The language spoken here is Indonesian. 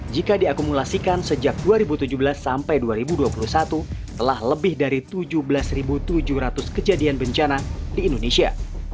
jika diakumulasikan sejak dua ribu tujuh belas sampai dua ribu dua puluh satu telah lebih dari tujuh belas tujuh ratus kejadian bencana di indonesia